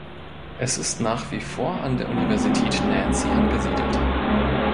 Es ist nach wie vor an der Universität Nancy angesiedelt.